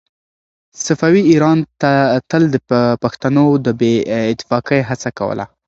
صفوي ایران تل د پښتنو د بې اتفاقۍ هڅه کوله.